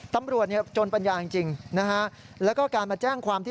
ตำร่วจโจรปัญญาจริงจริงนะคะและก็การมาแจ้งความที่